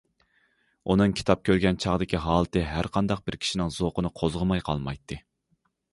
ئۇنىڭ كىتاب كۆرگەن چاغدىكى ھالىتى ھەر قانداق بىر كىشىنىڭ زوقىنى قوزغىماي قالمايتتى.